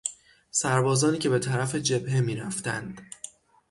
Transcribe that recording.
سربازانی که به طرف جبهه میرفتند